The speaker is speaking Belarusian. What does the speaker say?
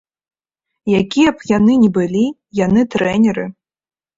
Якія б яны ні былі, яны трэнеры.